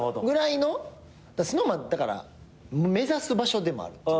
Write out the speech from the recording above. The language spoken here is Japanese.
だからＳｎｏｗＭａｎ目指す場所でもあるっていう。